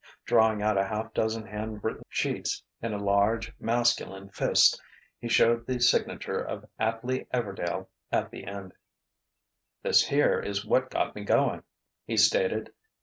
Drawing out a half dozen hand written sheets in a large masculine "fist," he showed the signature of Atley Everdail at the end. "This here is what got me going," he stated.